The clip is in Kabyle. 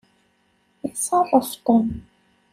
Iṣeffer Tom.